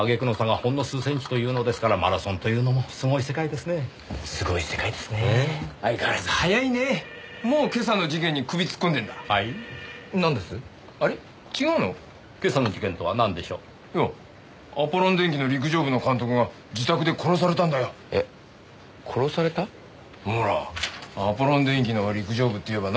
ほらアポロン電機の陸上部っていえばな